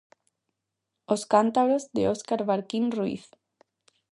Os cántabros, de Óscar Barquín Ruiz.